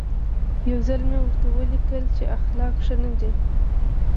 یو ځل مې ورته ولیکل چې اخلاق ښه نه دي.